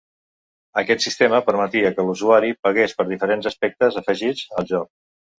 Aquest sistema permetia que l'usuari pagués per diferents aspectes afegits al joc.